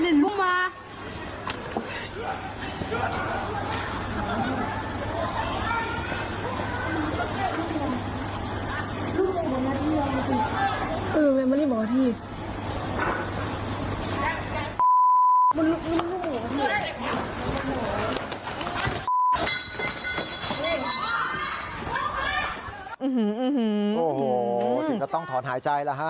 โอ้โหจริงจะต้องถอนหายใจละฮะ